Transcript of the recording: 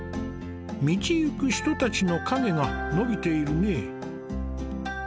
道行く人たちの影が伸びているね。